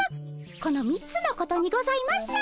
この３つのことにございます。